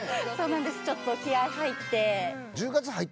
ちょっと気合入って。